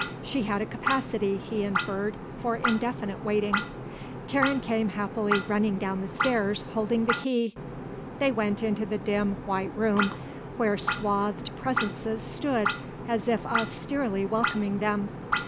She had a capacity, he inferred, for indefinite waiting. Karen came happily running down the stairs, holding the key. They went into the dim, white room where swathed presences stood as if austerely welcoming them.